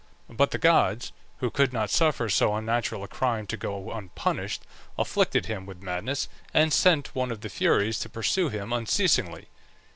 But the gods, who could not suffer so unnatural a crime to go unpunished, afflicted him with madness, and sent one of the Furies to pursue him unceasingly.